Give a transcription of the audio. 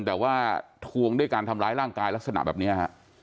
แต่ว่าทวงด้วยการทำร้ายร่างกายลักษณะแบบนี้ฮะ